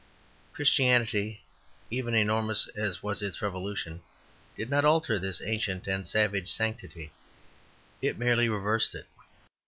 Christianity, even enormous as was its revolution, did not alter this ancient and savage sanctity; it merely reversed it.